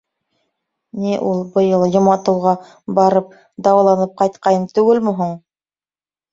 — Ни, ул, быйыл Йоматауға барып, дауаланып ҡайтҡайны түгелме һуң?